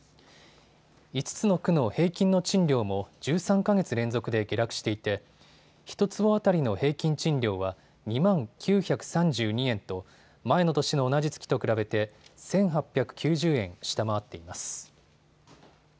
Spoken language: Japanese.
５つの区の平均の賃料も１３か月連続で下落していて、１坪当たりの平均賃料は２万９３２円と、前の年の同じ月と比べて１８９０円下回っています。